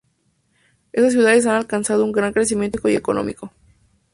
Estas ciudades han alcanzado un gran crecimiento demográfico y económico.